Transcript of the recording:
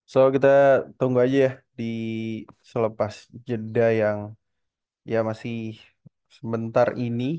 so kita tunggu aja ya selepas jeda yang ya masih sebentar ini